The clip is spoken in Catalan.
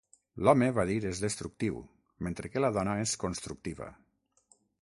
L'home, va dir, és destructiu, mentre que la dona és constructiva.